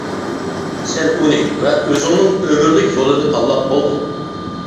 سەن ئۇنى ۋە ئۆزۈڭنىڭ ئۆمۈرلۈك يولىنى تاللاپ بولدۇڭ.